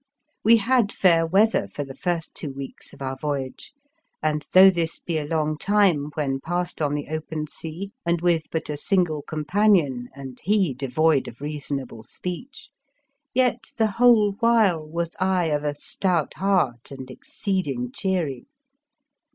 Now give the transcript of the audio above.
We had fair weather for the first two weeks of our voyage, and though this be a long time when passed on the open sea and with but a single companion and he devoid of reasonable speech, yet, the whole while was I of a stout heart and exceeding cheery.